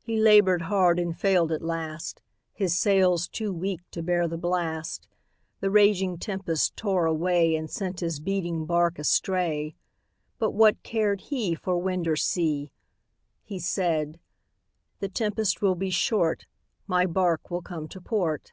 He labored hard and failed at last, His sails too weak to bear the blast, The raging tempests tore away And sent his beating bark astray. But what cared he For wind or sea! He said, "The tempest will be short, My bark will come to port."